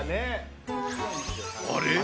あれ？